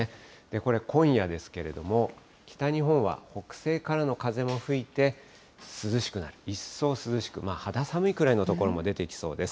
これ、今夜ですけれども、北日本は北西からの風も吹いて、涼しくなる、一層涼しく、肌寒いくらいの所も出てきそうです。